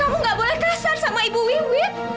aku gak boleh kasar sama ibu wiwit